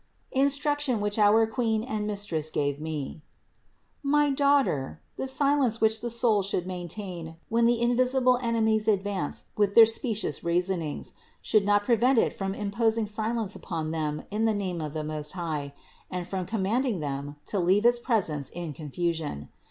INSTRUCTION WHICH OUR QUEEN AND MISTRESS GAVE ME. 372. My daughter, the silence which the soul should maintain when the invisible enemies advance with their specious reasonings, should not prevent it from imposing silence upon them in the name of the Most High, and from commanding them to leave its presence in confu sion.